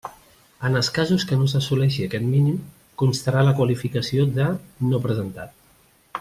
En els casos que no s'assoleixi aquest mínim, constarà la qualificació de “No presentat”.